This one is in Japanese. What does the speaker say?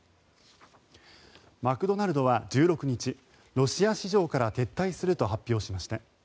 マクドナルドは１６日ロシア市場から撤退すると発表しました。